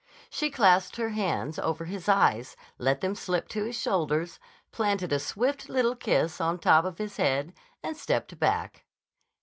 She clasped her hands over his eyes, let them slip to his shoulders, planted a swift, little kiss on the top of his head, and stepped back.